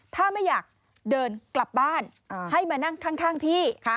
ถ้าไม่อยากเดินกลับบ้านให้มานั่งข้างพี่